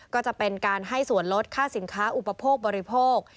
ก็จะเป็นการให้ส่วนลดค่าสินค้าอุปโภคบริโภค